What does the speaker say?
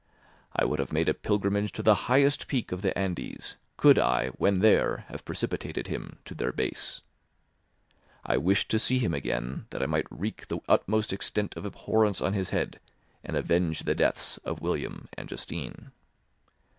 I would have made a pilgrimage to the highest peak of the Andes, could I, when there, have precipitated him to their base. I wished to see him again, that I might wreak the utmost extent of abhorrence on his head and avenge the deaths of William and Justine.